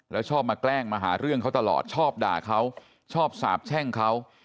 แล้วชอบมาแกล้งมาหาเรื่องเขาตลอดชอบด่าเขาชอบสาบแช่งเขา